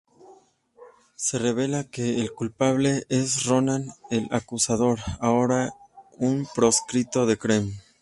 Se revela que el culpable es Ronan el Acusador, ahora un proscrito de Kree.